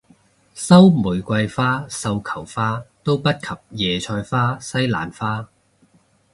收玫瑰花繡球花都不及椰菜花西蘭花